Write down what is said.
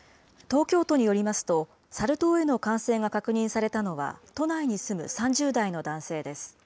東京都によりますと、サル痘への感染が確認されたのは、都内に住む３０代の男性です。